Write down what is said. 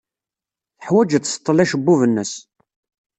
Teḥwaj ad tseḍḍel acebbub-nnes.